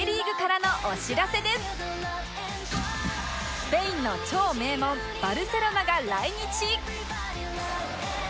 スペインの超名門バルセロナが来日